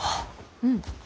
うん。